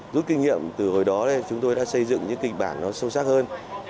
rút kinh nghiệm từ hồi đó chúng tôi đã xây dựng những kịch bản sâu sắc hơn